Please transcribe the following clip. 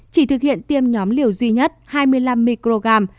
chỉ thực hiện tiêm nhóm liều duy nhất hai mươi năm microgram